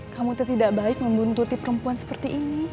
kamu itu tidak baik membuntuti perempuan seperti ini